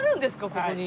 ここに。